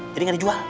jadi gak dijual